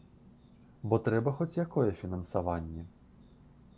Бо трэба хоць якое фінансаванне.